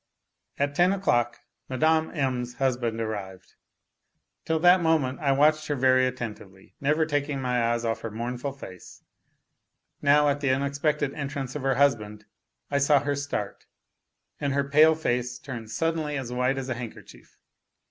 ... At ten o'clock Mme. M.'s husband arrived. Till that moment I watched her very attentively, never taking my eyes off her mournful face ; now at the unexpected entrance of her husband I saw her start, and her pale face turned suddenly as white as a handkerchief.